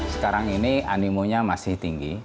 sekarang ini animonya masih tinggi